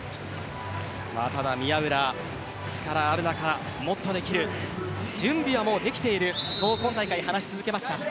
ただ、宮浦力ある中もっとできる準備はもうできているそう、今大会、話し続けました。